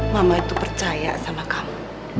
mama itu percaya sama kamu